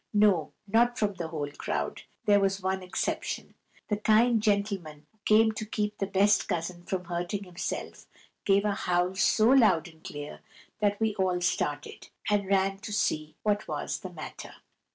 No, not from the whole crowd; there was one exception. The kind gentleman who came to keep the best cousin from hurting himself gave a howl so loud and clear that we all started, and ran to see what was the matter.